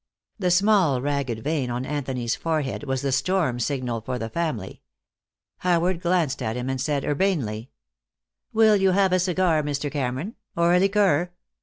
The small ragged vein on Anthony's forehead was the storm signal for the family. Howard glanced at him, and said urbanely: "Will you have a cigar, Mr. Cameron? Or a liqueur?"